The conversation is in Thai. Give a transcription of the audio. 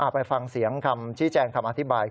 ไปฟังเสียงคำชี้แจงคำอธิบาย